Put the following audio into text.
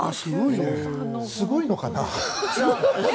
すごいのかな？